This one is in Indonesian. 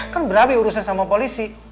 kan berabi urusan sama polisi